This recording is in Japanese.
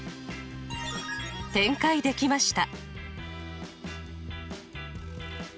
展開できました。